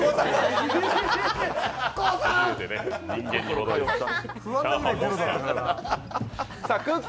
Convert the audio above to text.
初めて、人間に戻りました。